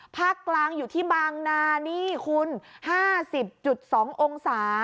ภาคกลางอยู่ที่บางนานี่คุณ๕๐๒องศา